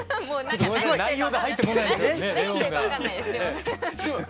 内容が入ってこないんですよ。